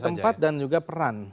tempat dan juga peran